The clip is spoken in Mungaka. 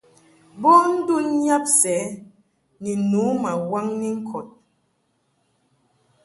Bo ndun yab sɛ ni nu ma waŋni ŋkɔd.